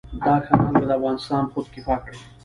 دا کانال به افغانستان خودکفا کړي.